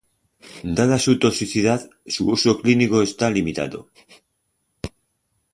Dada su toxicidad, su uso clínico está limitado.